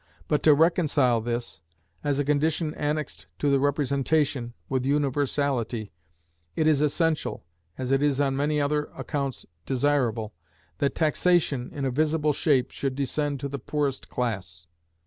But to reconcile this, as a condition annexed to the representation, with universality, it is essential, as it is on many other accounts desirable, that taxation, in a visible shape, should descend to the poorest class.